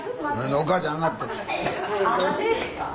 お母ちゃん上がって。